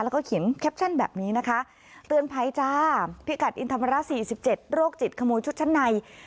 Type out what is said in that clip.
แล้วก็เขียนแคปชั่นแบบนี้นะคะเตือนภัยจ้าพิกัดอินธรรมระ๔๗โรคจิตขโมยชุดชั้นใน